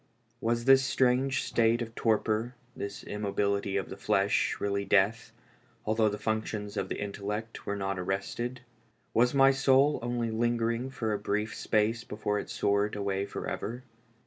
" Was this strange state of torpor, this immobility of the flesh, really death, although the functions of the intellect were not arrested ? W as my soul only linger ing for a brief space before it soared away forever?